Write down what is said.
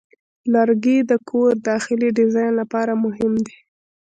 لرګی د کور داخلي ډیزاین لپاره مهم دی.